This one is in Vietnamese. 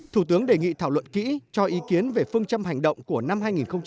thủ tướng đề nghị thảo luận kỹ cho ý kiến về phương châm hành động của năm hai nghìn hai mươi